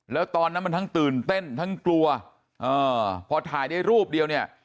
แล้วตอนนั้นมันทั้งตื่นเต้นทั้งกลัวพอถ่ายได้รูปเดียวเนี่ย